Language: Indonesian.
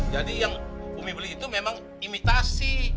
jadi yang umi beli itu memang imitasi